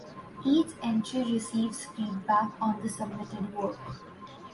Each entry receives feedback on the submitted work.